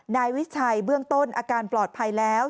นายวิชัยเบื้องต้นอาการปลอดภัยแล้ว